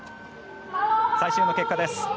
最終の結果です。